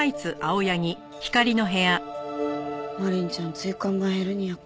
マリンちゃん椎間板ヘルニアか。